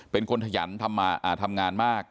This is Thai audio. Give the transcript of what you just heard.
เป็นคนขยันทำงานมาก